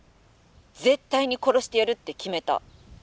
絶対に殺してやるって決めた。